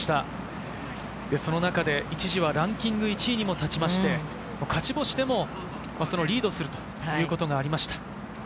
その中で一時はランキング１位に立って勝ち星でもリードするということがありました。